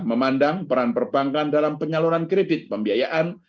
keuntungan yang lebih tinggi dari rp dua lima triliun dan rp dua lima triliun